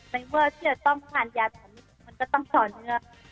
แม้เมื่อก็จะต้องการดินยามันก็ต้องช่อย